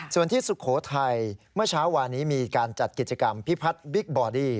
ส่วนที่สุโขทัยเมื่อเช้าวานนี้มีการจัดกิจกรรมพิพัฒน์บิ๊กบอดี้